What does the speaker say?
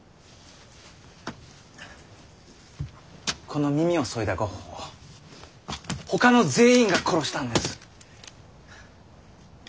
この耳をそいだゴッホをほかの全員が殺したんです。